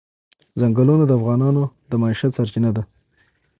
ځنګلونه د افغانانو د معیشت سرچینه ده.